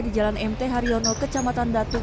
di jalan mt haryono kecamatan datuk